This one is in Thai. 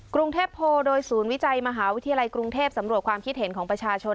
กรุงเทพโพลโดยศูนย์วิจัยมหาวิทยาลัยกรุงเทพสำรวจความคิดเห็นของประชาชน